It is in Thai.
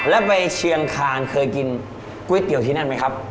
แล้วไปเชียงคานเคยกินก๋วยเตี๋ยวที่นั่นไหมครับ